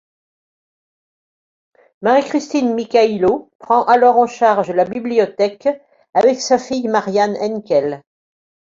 Marie-Christine Mikhaïlo prend alors en charge la bibliothèque avec sa fille Marianne Enckell.